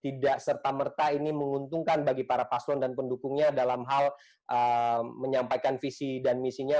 tidak serta merta ini menguntungkan bagi para paslon dan pendukungnya dalam hal menyampaikan visi dan misinya